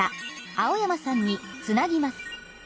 青山さんにつなぎます。